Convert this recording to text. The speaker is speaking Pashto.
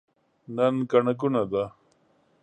نن ګڼه ګوڼه ده.